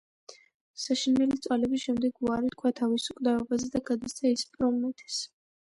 საშინელი წვალების შემდეგ, უარი თქვა თავის უკვდავებაზე და გადასცა ის პრომეთეს.